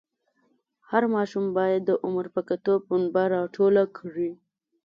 هر ماشوم باید د عمر په کتو پنبه راټوله کړي.